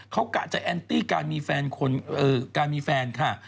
เขากะจะแอนตี้การมีแฟนค่ะ